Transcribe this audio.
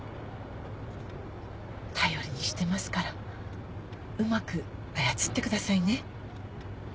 頼りにしてますからうまく操ってくださいね。